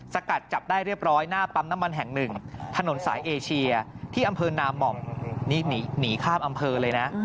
สกัดจับได้เรียบร้อยหน้าปั๊มน้ำมันแห่งหนึ่งถนนสายเอเชียที่อำเภอนามหม่อมนี่หนีข้ามอำเภอเลยนะ